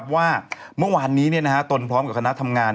ว่าเมื่อวานนี้ตนพร้อมกับคณะทำงาน